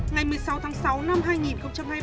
ngày một mươi sáu tháng sáu năm hai nghìn hai mươi ba